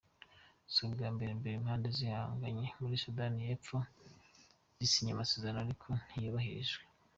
Si ubwa mbere impande zihanganye muri Sudani y’Epfo zisinye amasezerano ariko ntiyubahirizwe.